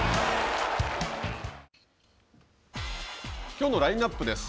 きょうのラインナップです。